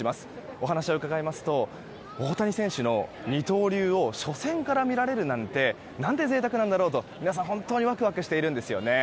お話を伺いますと大谷選手の二刀流を初戦から見られるなんて何て贅沢なんだろうと皆さん、本当にワクワクしているんですよね。